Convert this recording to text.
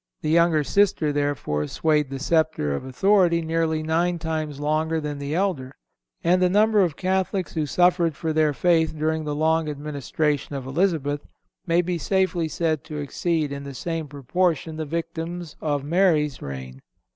The younger sister, therefore, swayed the sceptre of authority nearly nine times longer than the elder; and the number of Catholics who suffered for their faith during the long administration of Elizabeth may be safely said to exceed in the same proportion the victims of Mary's reign.